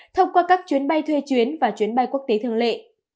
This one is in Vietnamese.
thông qua các chuyến bay thuê chuyến và chuyến bay quốc tế thường lệ